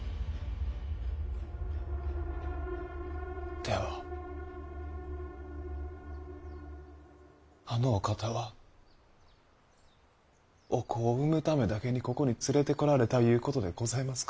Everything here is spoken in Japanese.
ではあのお方はお子を産むためだけにここに連れてこられたいうことでございますか？